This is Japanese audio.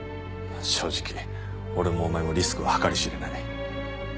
正直俺もお前もリスクは計り知れない。